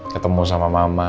ketemu sama mama